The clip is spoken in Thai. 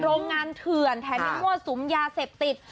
โรงงานเถื่อนแถมยังมั่วสุมยาเสพติด